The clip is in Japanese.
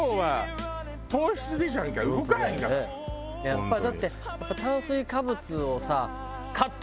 やっぱだって。